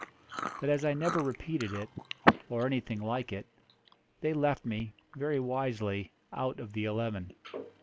But as I never repeated it or anything like it they left me, very wisely, out of the eleven.